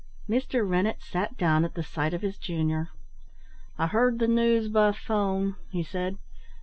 Mr. Rennett sat down at the sight of his junior. "I heard the news by 'phone," he said.